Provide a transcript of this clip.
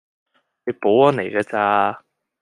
你保安嚟架咋